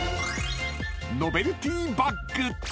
［ノベルティバッグ］